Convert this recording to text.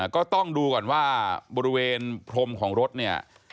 ก็ต้องดูก่อนว่าบริเวณพรมของรถเนี่ย